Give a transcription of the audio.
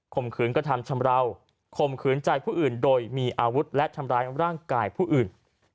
มขืนกระทำชำราวข่มขืนใจผู้อื่นโดยมีอาวุธและทำร้ายร่างกายผู้อื่น